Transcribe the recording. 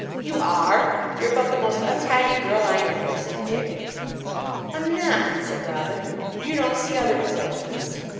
"You are. You're about the most untidy girl I know," said Dick. "I'm not," said Robin; "you don't see other girls' rooms.